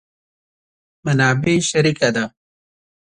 منابع شریکه ده.